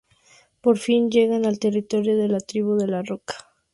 Por fin llegan al territorio de la Tribu de la Roca.